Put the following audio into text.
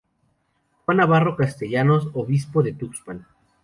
Juan Navarro Castellanos, Obispo de Tuxpan.